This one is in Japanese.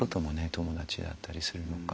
友達だったりするのかな。